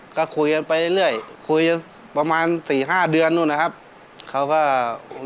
บอกครับผมก็คุยกันไปเรื่อยคุยประมาณ๔๕เดือนนู้นนะครับบอกครับผมก็คุยกันไปเรื่อย